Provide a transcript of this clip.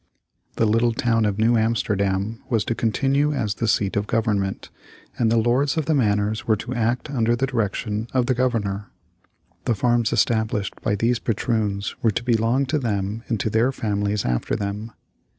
The little town of New Amsterdam was to continue as the seat of government, and the Lords of the Manors were to act under the direction of the Governor. The farms established by these patroons were to belong to them and to their families after them.